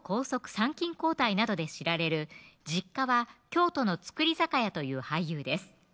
参勤交代などで知られる実家は京都の造り酒屋という俳優です